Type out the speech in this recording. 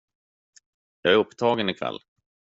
jag är upptagen ikväll.